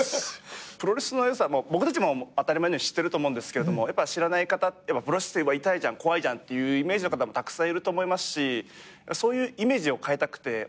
プロレスの良さ僕たち当たり前のように知ってると思うんですけれどもやっぱ知らない方プロレス痛いじゃん怖いじゃんっていうイメージの方もたくさんいると思いますしそういうイメージを変えたくて。